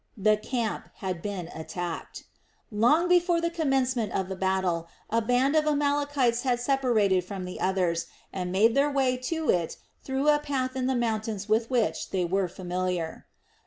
The camp had been attacked. Long before the commencement of the battle a band of Amalekites had separated from the others and made their way to it through a path in the mountains with which they were familiar.